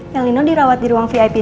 ya nino dirawat di ruang vip dua pak